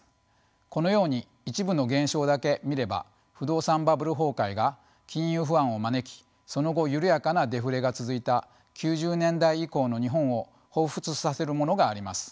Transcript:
このように一部の現象だけ見れば不動産バブル崩壊が金融不安を招きその後緩やかなデフレが続いた９０年代以降の日本をほうふつさせるものがあります。